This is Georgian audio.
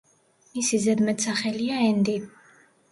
მისი ზედმეტსახელია „ენდი“.